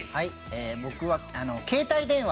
僕は携帯電話。